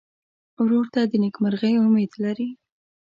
ورور ته د نېکمرغۍ امید لرې.